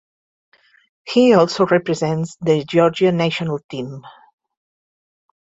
He also represents the Georgia national team.